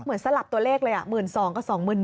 เหมือนสลับตัวเลขเลย๑๒๐๐๐กับ๒๑๐๐๐บาท